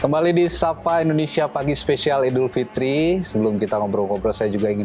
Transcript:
kembali di sapa indonesia pagi spesial idul fitri sebelum kita ngobrol ngobrol saya juga ingin